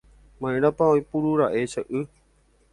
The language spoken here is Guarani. Ma'erãpa oiporúra'e che y.